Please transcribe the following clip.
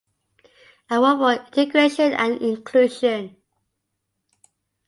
Award for Integration and Inclusion.